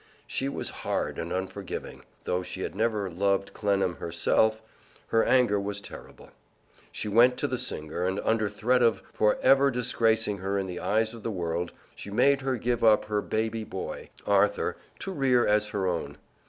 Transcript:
She was hard and unforgiving. Though she had never loved Clennam herself, her anger was terrible. She went to the singer, and under threat of for ever disgracing her in the eyes of the world, she made her give up to her her baby boy, Arthur, to rear as her own.